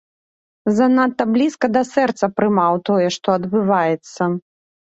Занадта блізка да сэрца прымаў тое, што адбываецца.